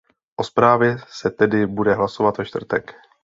O zprávě se tedy bude hlasovat ve čtvrtek.